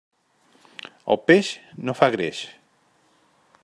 El peix no fa greix.